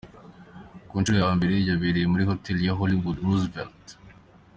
Ku nshuro ya mbere yabereye muri Hotel ya Hollywood Roosevelt.